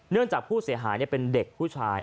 จากผู้เสียหายเป็นเด็กผู้ชาย